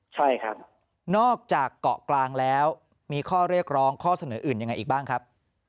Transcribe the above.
ใช่ครับนอกจากเกาะกลางแล้วมีข้อเรียกร้องข้อเสนออื่นยังไงอีกบ้างครับ